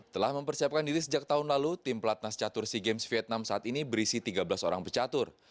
telah mempersiapkan diri sejak tahun lalu tim pelatnas catur sea games vietnam saat ini berisi tiga belas orang pecatur